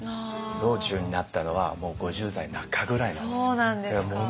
老中になったのはもう５０代中ぐらいなんですよ。